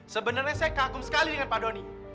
sebenarnya saya kagum sekali dengan pak doni